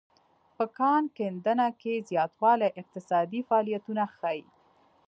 په کان کیندنه کې زیاتوالی اقتصادي فعالیتونه ښيي